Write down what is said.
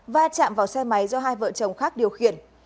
và chạm vào xe máy do hai vợ chồng khác điều khiển